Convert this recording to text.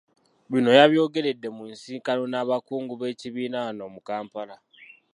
Bino yabyogeredde mu nsisinkano n'abakungu b'ekibiina wano mu Kampala.